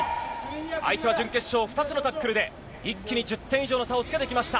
相手は準決勝、２つのタックルで一気に１０点以上の差をつけてきました。